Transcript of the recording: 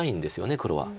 黒は。